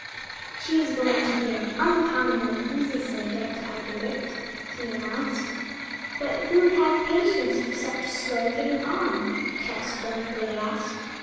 "She is going to be an uncommonly easy subject, I predict," he announced. "But who'd have patience for such slow getting on?" Chet scornfully asked.